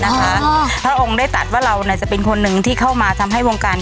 พระองค์ได้ตัดว่าเราเนี่ยจะเป็นคนหนึ่งที่เข้ามาทำให้วงการ